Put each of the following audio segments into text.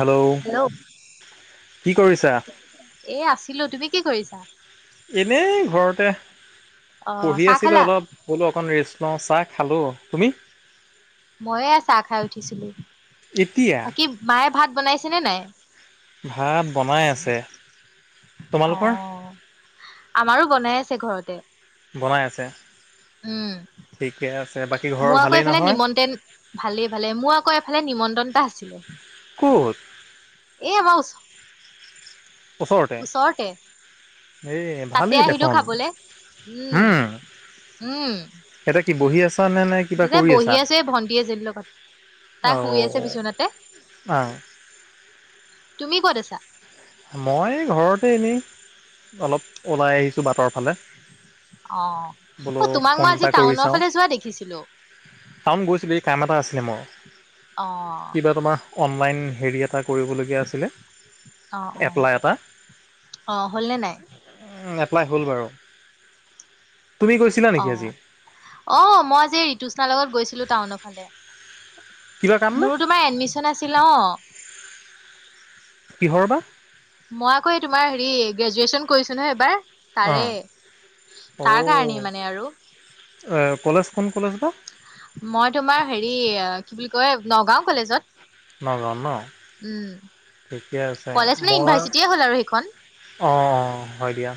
Hello কি কৰিছা? এ আছিলো, তুমি কি কৰিছা? এনেই ঘৰতে অ পঢ়ি চাহ আছিলো খালা অলপ। বুলো অকণ ৰেষ্ট ল‌ওঁ চাহ খালোঁ, তুমি? মই এয়া চাহ খাই উঠিছিলো, এতিয়া বাকী মায়ে ভাত বনাইছেনে নাই? ভাত বনাই আছে। তোমালোকৰ? অ' আমাৰো বনাই আছে ঘৰতে। বনাই আছে, উম ঠিকে আছে, বাকী ঘৰৰ ভালেই নহয়। ভালেই ভালে, মোৰ আক এফালে নিমন্ত্ৰণ এটা আছিলে। ক'ত? এই আমাৰ ওচ। ওচৰতে। এই তাতে ভালেই আহিলো দেখোন, খাবলে উম হুম। এতিয়া কি বহি আছা নে নে। কিবা দুইটা কৰি বহি আছা? আছে এ ভন্টি এজনীৰ লগত, তাই অ' শুই আছে বিচনাতে। অ'। তুমি ক'ত আছা? মই ঘৰতে এনেই অলপ ওলাই আহিছো বাটৰ ফালে। অ অ বোলো তোমাক ফোন মই আজি এটা কৰি টাউনৰ চাওঁ। ফালে যোৱা দেখিছিলো। টাউন গৈছিলো এই কাম এটা আছিলে মোৰ অ কিবা তোমাৰ। অনলাইন হেৰি এটা কৰিবলগীয়া আছিলে। অ অ এপ্লাই এটা। অ হ'লনে নাই উম এপ্লাই হ'ল বাৰু তুমি গৈছিলা অ নেকি আজি অ' মই আজি ঋতুষ্ণাৰ লগত গৈছিলো টাউনৰ ফালে। কিবা কাম নে? মোৰো তোমাৰ এডমিচন আছিল অ'। কিহৰ বা মই আকৌ এই তোমাৰ হেৰি, গ্ৰেজুৱেচন কৰিছো নহয় এবাৰ। তাৰে অ'। তাৰ কাৰণেই অ'। মানে আৰু। এ কলেজ খন কত আছিলে মই তোমাৰ হেৰি কি বুলি কয় নগাও কলেজত। নগাঁৱত ন উম, ঠিকে আছে। কলেজ মানে মই ইউনিভাৰ্চিটিয়ে হ'ল আৰু সেইখন। অ হয় দিয়া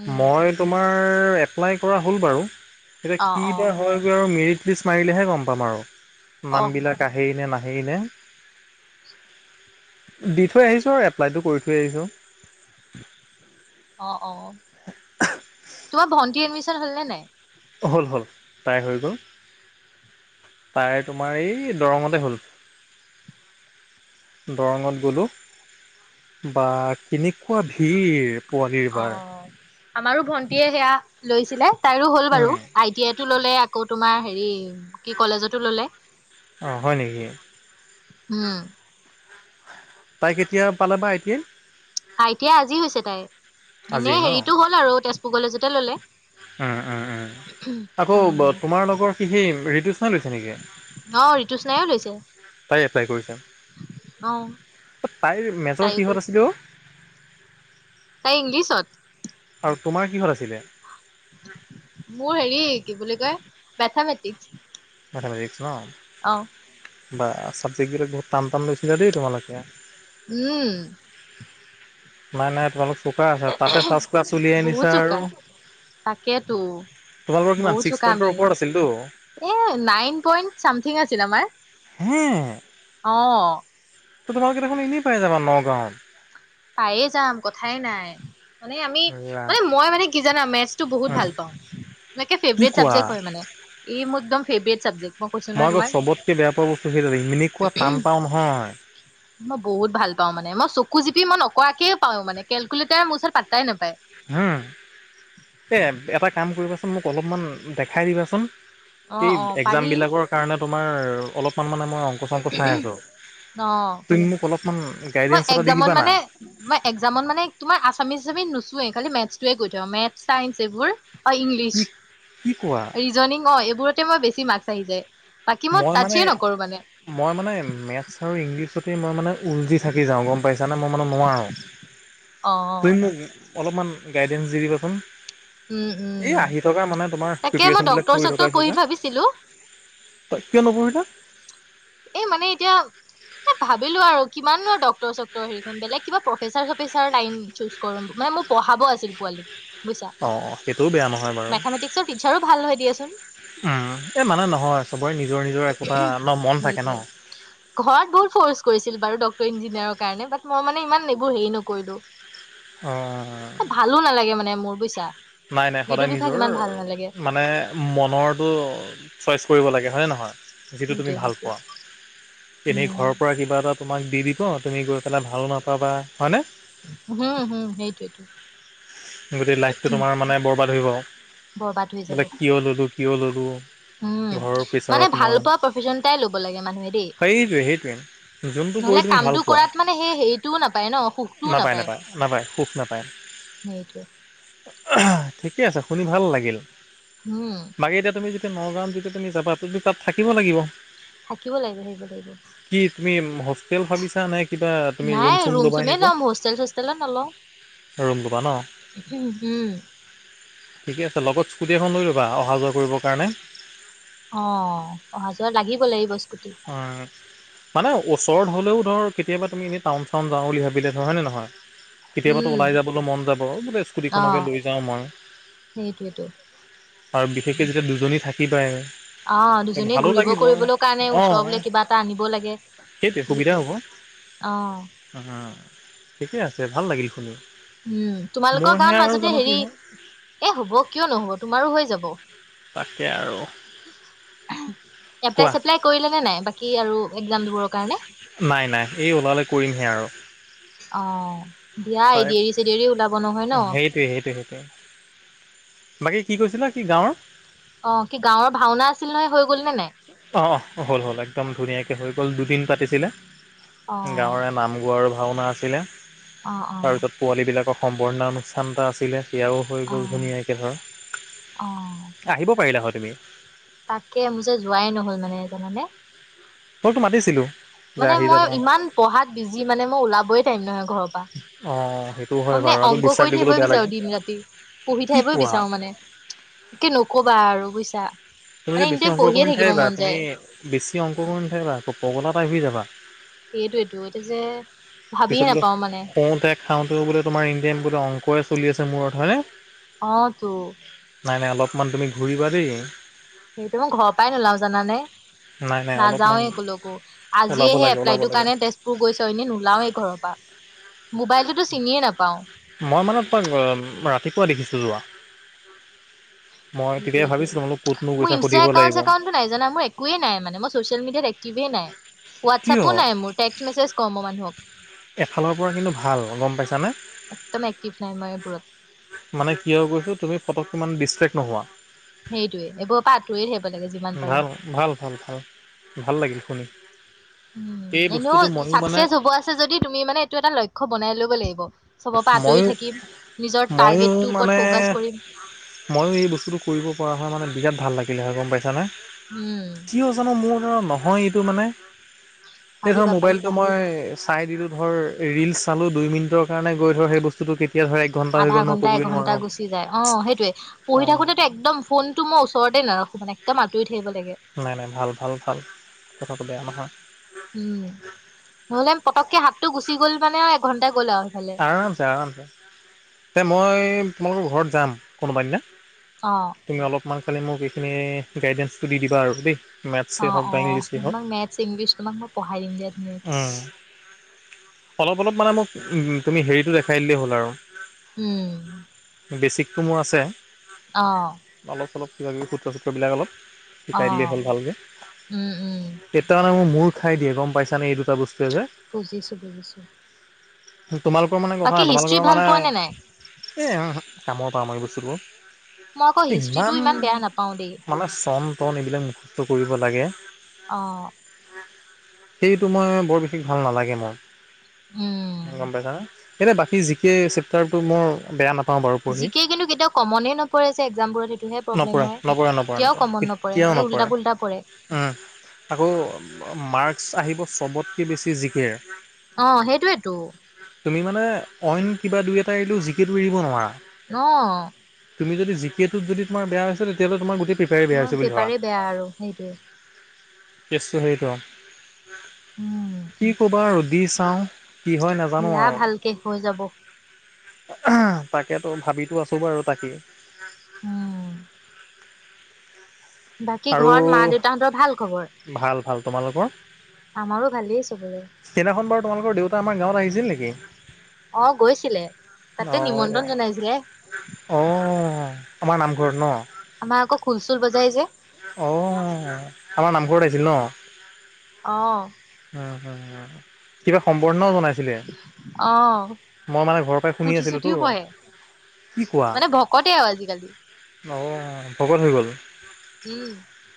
উম মই তোমাৰ মোৰ এপ্লাই কৰা হল বাৰু এতিয়া অ কি অ বা হয়। আৰু মেৰিট লিষ্ট মাৰিলেহে গম পাম আৰু অ নামবিলাক আহেই নে নাহেই নে। দি থৈ আহিছো আৰু এপ্লাইটো কৰি থৈ আহিছো অ' অ [unintelligible] তোমাৰ ভন্তি এডমিশ্যন হল নে নাই হ'ল হ'ল তাইৰ হৈ গ'ল। তাইৰ তোমাৰ এই দৰঙতে হ'ল। দৰঙত গ'লো বা কেনেকুৱা ভিৰ। পোৱালিৰ অ বাৰ। আমাৰো ভন্টিয়ে সেয়া লৈছিলে তাইৰো হ'ল বাৰু উম, আই টি আইত। টোললে আকৌ তোমাৰ হেৰি কি কলেজতো ললে। অ' হয় নেকি। উম। তাই কেতিয়া পালে বা I T I I T I আজি হৈছে তাইৰ আজি এনে ন হেৰিটো হ'ল আৰু তেজপুৰ কলেজতে ললে। অ অ অ আকৌ উম তোমাৰ লগৰ কি সেই ৰিতু তাই লৈছে নেকি অ ঋতুস্নায়ো লৈছে তাই এপ্লাই কৰিছে। অ তাইৰ মেজৰ তাইও কিহত কৰিছে আছিলে অ তাই ইংলিছত। আৰু তোমাৰ কিহত আছিলে মোৰ হেৰি কি বুলি কয় মেথামেটিক্স। মেথামেটিক্স ন। অ বা ছাবজেক্টবিলাক বহুত টান টান লৈছিলা দেই তোমালোকে। উম। নাই নাই তোমালোক চোকা আছা তাতে ফাৰ্ষ্ট ক্লাছ উলিয়াই বহুত আনিছা আৰু। চোকা তাকেতো তোমালোকৰ কিমান বহুত ছিক্স চোকা পইন্টৰ আমি ওপৰত আছিলতো। এ নাইন পইণ্ট চামথিং আছিল আমাৰ। হুম। অ'। তোমালোকে দেখোন এনেই পাই যাবা নগাঁৱত। পায়ে যাম কথাই নাই। মানে আমি, মানে মই মানে কি জানা, মেথছটো বহুত ভাল পাওঁ। একে কি ফেভ্রেত কোৱা চাবজেক্ট হয় মানে, এই মোৰ একদম ফেভ্ৰেত চাবজেক্ট। কৈছো মই নহয় আকৌ তোমাক চবতকে বেয়া পোৱা বস্তু সেইটো, এনেকুৱা টান পাও নহয়। মই বহুত ভাল পাওঁ মানে, মই চকু মই নকৰাকে পাও মানে কেলকুলেটাৰ মোৰ ওচৰত পাত্তাই নাপায়। উম, এই এটা কাম কৰিবাচোন, মোক অলপমান দেখাই দিবাচোন। অ', সেই অ', এক্সাম পাৰি বিলাকৰ কাৰণে তোমাৰ অলপমান মানে মই অকং আছো অ', তুমি মোক অলপমান মই গাইডেঞ্চ এটা দি একজামত দিবানা। মানে মই এক্সাম মানে তোমাৰ আছামিছি নোচোৱৱে খালি মেথটোৱে কৈ থ মেথচ চাইন্স এইবোৰ। অ', ইংলিছ কি কি কোৱা ৰিজনিং অ', এইবোৰ মই বেছি মাৰ্কছ আহি যায়। বাকী মই মানে টাচে নকৰো মানে মই মানে মেথ্ছ আৰু ইংলিছতেই মই মানে উলজি থাকি যাওঁ গম পাইছা। জানা মই মানে নোৱাৰোঁ অ', তুমি মোক অলপমান গাইডেঞ্চ দি দিবাচোন। উম, এই উম, আহি থকা মানে তোমাৰ তাকে মই প্ৰিপচন বিলাক ডক্তৰ পৰি চক্তৰ থকাই পঢ়ি হৈছে। ভাবিছিলো কিয় ন'। [unintelligible] এ মানে এতিয়া এ ভাবিলোঁ আৰু কিমান ডক্টৰ চক্টৰ হেৰি কৰিম প্ৰফেচাৰ চ লাইন চুচ ম মানে মোৰ পঢ়াব আছিল পোৱালীক। অ', সেইটোও বেয়া নহয় বাৰু। মেথামেটিক্সৰ টিচাৰো ভাল হয় দিয়াচোন এই মানে নহয় সবৰে নিজৰ, নিজৰ একোটা ন মন থাকে ন। সেইটোৱে ঘৰত বহুত ফ'ৰ্চ কৰিছিল বাৰু ডক্টৰ ইঞ্জিনিয়াৰৰ কাৰণে ব মই মানে ইমান এইবোৰ হেৰি নকৰিলো। অ'। ভালো নালাগে মানে মোৰ বুজিছা। নাই, নাই এইটো সদায় বিভাগ ইমান ভাল নালাগে নিজৰ মানে মনৰতো চইচ কৰিব লাগে হয়ে নহয়। যিটো তুমি সেইটোৱে ভাল সেইটোৱে পোৱা, এনেই উম ঘৰৰ পৰা কিবা এটা তোমাক দি দিব, তুমি গৈ পেলাই ভাল নাপাবা হয়নে। উম হুম, সেইটৱেটো। গোটেই লাইফটো তোমাৰ মানে বৰবাদ হৈ যাব, বৰবাদ হৈ যাব বোলে কিয় ল'লো, কিয় ল'লো। উম, ঘৰৰ মানে প্ৰেছাৰত ভাল মই পোৱা প্ৰফেশচনটাই লব লাগে মানুহে দেই। সেইটোৱে সেইটোৱে যোনটো কৰি নহলে তুমি ভাল কামটো পোৱা কৰাত মানে সেই হেৰিটোও নাপায় ন সুখটোও নাপায়। নাপায় সুখ নাপায় সেইটোৱে। ঠিকে আছে, শুনি ভাল লাগিল। উম। বাকী এতিয়া তুমি যেতিয়া নগাঁৱত যেতিয়া তুমি যাবা তুমি তাত থাকিব লাগিব। থাকিব লাগিব, থাকিব লাগিব। কি তুমি হোষ্টেল ভাবিছা নে? কিবা তুমি ৰুম নাই চুম ল'বা চুমেই এনেকুৱা ল'ম হোষ্টেল চোষ্টেলত নলওঁ। ৰুম ল'বা ন। উম। ঠিকে আছে লগত স্কুটি এখন লৈ ল'বা অহা যোৱা কৰিবৰ কাৰণে। অ', অহা যোৱা লাগিব, লাগিব এই স্কুটি। উম, মানে ওচৰত হ'লেও ধৰ কেতিয়াবা তুমি এনে টাউ চাউন যাওঁ বুলি ভাবিলে ধৰ হয় ননেে নহয়। কেতিয়াবাতো উম, ওলাই যাবলৈ মন যাব বোলে স্কুটিখনকে অ', লৈ যাওঁ মই। সেইটোৱেতো। আৰু বিশেষকে যেতিয়া দুজনী থাকি পায়। অ, দুজনীয়ে ঘূৰিব কৰিবলও কাৰণে অঁ ওচৰ বোলে কিবা এটা আনিব লাগে সুবিধা সেইটোৱে। হ'ব অ'। [unintelligible] ঠিকে আছে, ভাল লাগিল শুনি। উম, তোমালোকৰ মোৰহে গান আৰু মাজতে জানো কি হেৰি, হয় এ হব কিয় নহব। তোমাৰো হৈ যাব। তাকে আৰু। এপলাই কোৱা চেপলাই কৰিলেগে নাই? বাকি আৰু এক্সাম দিবৰ কাৰণে। নাই নাই, এই ওলালে কৰিমহে আৰু। অ দিয়া এ দেৰি চে দেৰি ওলাব নহয় ন? এই সেইটোৱে সেইটোৱে। বাকী কি কৈছিলে? কি গাঁৱৰ? অ, কি গাঁৱৰ ভাওনা আছিল নহয়। হৈ গ'ল নে নাই? অঁ অঁ, হ'ল হ'ল। একদম ধুনীয়াকৈ হৈ গ'ল দুদিন পাতিছিলে। অ'। গাঁৱৰে নাম গোৱাৰ ভাওনা আছিলে। অ', অ', তাৰপিছত পোৱালিবিলাকৰ সম্বৰ্ধনা অনুষ্ঠান এটা আছিলে। সেয়াও হৈ গ'ল অ', ধুনীয়াকৈ অ', ধৰা। আহিব পাৰিলা হয় তুমি? তাকে মোৰ যে যোৱাই নহল মানে, জানানে? মইতো মাতিছিলো। মানে মই ইমান পঢ়াত বিজি মানে মই ওলাবয় টাইম নহয়। ঘৰ পা। অঁ সেইটো অ হয় মানে বাৰু আকৌ অংক ডিষ্টাৰ্ব কৰি দিবলৈও থাকিবই বেয়া বিচাৰো লাগে। দিন ৰাতি। পঢ়ি কি থাকিবই কোৱা বিচাৰো মানে। [unintelligible] নকবা আৰু বুইছা? তুমি মানে যে এনি বেছি টাইম অংক পঢ়িয়ে কৰি থাকিব নাথাকিবা। মন তুমি যায় বেছি অংক কৰি নাথাকিবা, পগলা টাইপ হৈ যাবা। সেইটোৱেটো এতিয়া যে ভাবিয়ে পিছত বোলে নাপাও মানে? শুওঁতে খাওঁতেও বোলে তোমাৰ ইণ্ডিয়ান বোলে অংক ই চলি আছে মূৰত হয়নে? অঁ, তো। নাই নাই অলপমান তুমি ঘূৰিবা দেই! সেইটো মই ঘৰৰ পৰাই নোলাও জানানে? নাই নাই অলপমান নাযাওৱে কলৈকো। ওলাব আজিহে লাগে এপ্লাই ওলাব তোৰ লাগে। কাৰণে তেজপুৰ গৈছ। এনেই নোলাওেই ঘৰ পা। মোবাইলটোতো চিনিয়ে নাপাওঁ? মই মানে তই ৰাতিপুৱা দেখিছো যোৱা। মই তেতিয়া সেইটোৱেটো। ভাবিছো। [unintelligible] মোৰ ইনষ্টা একাউন্ট চেকাউনটো নাই জানা? মোৰ একোৱে নাই মানে। মই চচিয়েল মেডিয়াত এক্টিভে নাই। কিয় হোৱাটছআপো নাই মোৰ। টেক্স মেছেজ কওঁ মও মানুহক। এফালৰ পৰা কিন্তু ভাল, গম পাইছানে? একদম এক্টিভ নাই মই এইবোৰত। মানে কিয় কৈছো তুমি পতকে ইমান ডি্চটেক্ট নোহোৱা। সেইটোৱে এইবোৰ পা আতৰি হে ভাল ভাল ভাল ভাল। ভাল লাগিল শুনি। উম, এই এনেও বস্তুটো ময়ো মানে চাকচেছ হব আছে যদি তুমি মানে এইটো এটা লক্ষ্য বনাই লব লাগিব। চবৰ পৰা আঁতৰি ময়ো থাকিম নিজৰ ময়ো টাৰ্গেটটো মানে ওপৰত ফকাচ কৰিম। ময়ো এই বস্তুটো কৰিব পৰা হয় মানে বিৰাট ভাল লাগিলে হয়, গম পাইছানে? উম। কিয় জানো মোৰ [unintelligible] নহয় এইটো মানে। সেই ধৰ পাৰিবা মোবাইলটো পাৰিবা মই, চাই দিলো ধৰ, ৰিলচ চালো দুই মিনিটৰ কাৰণে গৈ ধৰ সেই বস্তুটো কেতিয়া ধৰা, আধা ঘন্টা এঘণ্টা গুচি যায়, অঁ সেইটোৱে। পঢ়ি নোৱাৰোঁ থাকোতেতো একদম ফোনটো মই ওচৰতে নাৰাখো মানে, একদম আতৰি থাকিব লাগে। নাই নাই ভাল ভাল ভাল কথাটো বেয়া নহয়! উম নহ'লে পটককে হাতটো গুচি গ'ল মানে আৰু এঘণ্টাই গ'ল আৰু সেইফালে, আৰামছে, আৰাম ছে এ মই মোৰ ঘৰত যাম! কোনোবা দিনা অ তুমি অলপমান খালি মোক এইখিনি গাইডেন্ঞ্চটো দি দিবা আৰু দেই! মেথছেই অঁ, হওক বা অঁ, ইংলিছেই হওক তোমাক মেথছ ইংলিছ তোমাক মই পঢ়াই দিম দিয়া ধুনীয়াকে! উম, অলপ অলপ মানে মোক তুমি হেৰিটো দেখাই দিলেই হ'ল আৰু উম বেছিক, তটো মোৰ আছে অ অলপ চলপ কিবা কিবি সূত্ৰসূত্ৰবিলাক অলপ, অ শিকাই দিলে হ'ল ভাল কে, উম উম কেতিয়া মানে মোৰ মূৰ খাই দিয়ে গম পাইছানে এই দুটা বস্তুৱে য়ে, বুজিছো বুজিছোঁ? তোমালোকৰ মানে কথা হিষ্ট্ৰী তোমালোকৰ ভাল মানে? পোৱা নে নাই এ [unintelligible] [inaudible] কামৰ পৰা আমাৰি বস্তুটো মই আকৌ এ হিষ্ট্ৰীটো ইমান বেয়া নাপাও দেই মানে চন টন এইবিলাক মুখস্থ কৰিব লাগে! অঁ, সেইটো তোমাৰ বৰ বেছি ভাল নালাগে মোৰ! উম গম পাইছানে ইনেই বাকী জি কে চেপটাৰটো মোৰ বেয়া নাপ, জিকে কিন্তু কেতিয়াও কমনে নপৰে জে এক্জামবোৰত সেইটোহে প্ৰব্লেম নপৰে হয়, নপৰে নপৰে কেতিয়াও নপৰে কমন নপৰে কেতিয়াও এ উল্টা পুল্টা পৰে, উম, আকৌ মাৰ্কস আহিব চবতকে বেছি জিকে! অঁ, সেই টো ৱেটো? তুমি মানে অইন কিবা দুই এটা এৰিলো জিকেতো এৰিব নোৱাৰা! অঁ তুমি যদি জি কে ত যদি তোমাৰ বেয়া হৈছে তেতিয়া হলে তোমাৰ গোটে, তোমাৰ পেপাৰে বেয়া আৰু সেইটোৱে? কেচ হেৰিট' উম কি কবা আৰু দি চাওঁ কি হয় না দিয়া ভালকে হৈ যাব। তাকেতো ভাবিতো আছো বাৰু তাকে। উম। বাকী আৰু ঘৰত মা দেউতাহঁতৰ ভাল খবৰ? ক'ৰ ক'ৰ? আমাৰো ভালেই চবৰে। সেইদিনাখন বাৰু তোমালকৰ দেউতা আমাত গাঁৱত আহিছিল নেকি? অ', গৈছিলে। তাতে অ' এয়া নিমন্ত্ৰণ জনাইছিলে। অ', আমাৰ নামঘৰত ন'? আমাৰ আকৌ খুল চুল বজাই যে। অ', আমাৰ নামঘৰত আহিছিল ন'? অ'। উম, কিবা সম্বৰ্ণও জনাই চিলে, অ মই মানে ঘৰৰ পাই শুনি পুথি আছিলোঁ তো। চুথিও পঢ়ে মানে ভকতে অ, আজিকালি। অ', ভকত হৈ গ'ল? উম,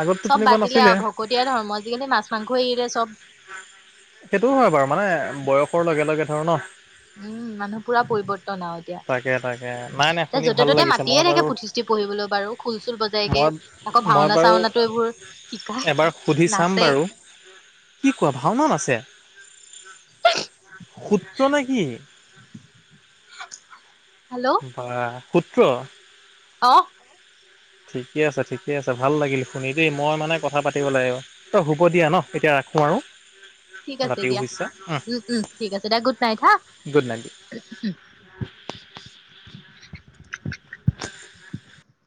আগততো চব তেনেকুৱা বাদ দিলে নাছিলে। আৰু ভকতীয়া ধৰ্ম আজিকালি মাছ মাংস এৰিলে চব। [inaudible] সেইটো হয়, বাৰু মানে বয়সৰ লগে, লগে ধৰ ন'। উম, মানুহ পুৰা পৰিৱৰ্তন আৰু তাকে তাকে। এতিয়া। নাই নাই তে' শুনি যতে ভাল ত'তে লাগিছে। মই মাতিয়ে থাকে বাৰু পুথিছ টি পঢ়িবলৈ বাৰু খুল চুল বজাইগে, মই আকৌ মই ভাওনা বাৰু চাওনাটো এইবোৰ শিকাই, এবাৰ সুধি চাম নাচে। বাৰু। কি কোৱা ভাওনাও নাছে? সূত্ৰ নে কি? হাল্লো? বা সুত্ৰ! অ'। ঠিকে আছে, ঠিকে আছে। ভাল লাগিল শুনি দেই, মই মানে কথা পাতিব লাগিব। অ', হ'ব দিয়া ন' এতিয়া ৰাখোঁ আৰু। ঠিক আছে ৰাতিও দিয়া। হৈছে উম, উম, ঠিক আছে দিয়া গুড নাইট হা'। Good night